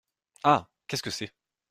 Ah ! qu'est-ce que c'est ?